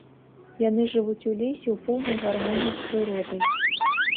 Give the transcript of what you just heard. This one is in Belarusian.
Яны жывуць у лесе ў поўнай гармоніі з прыродай.